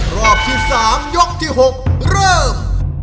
รอบที่๓ยกที่๖เริ่ม